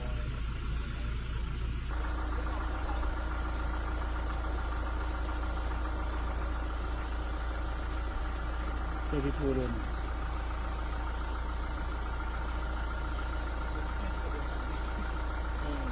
อยากเราจะจัดเข้ามือใจได้หรือไม่